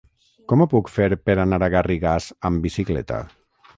Com ho puc fer per anar a Garrigàs amb bicicleta?